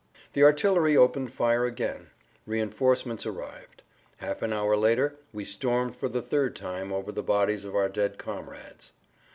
The artillery opened fire again; reinforcements arrived. Half an hour later we stormed for the third time over the bodies of our dead comrades.